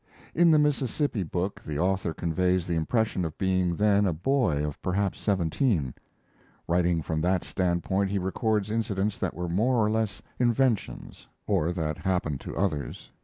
In the Mississippi book the author conveys the impression of being then a boy of perhaps seventeen. Writing from that standpoint he records incidents that were more or less inventions or that happened to others.